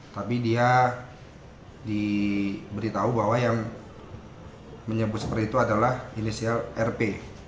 tapi dia diberitahu bahwa yang menyebut seperti itu adalah inisial rp